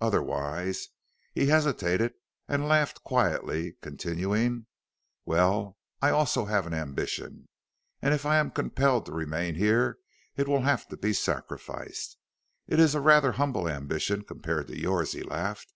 Otherwise " He hesitated and laughed quietly, continuing: "Well, I also have an ambition, and if I am compelled to remain here it will have to be sacrificed. It is a rather humble ambition compared to yours," he laughed.